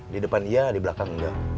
di depan iya di belakang